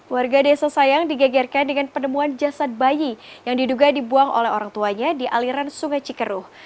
warga desa sayang digegerkan dengan penemuan jasad bayi yang diduga dibuang oleh orang tuanya di aliran sungai cikeruh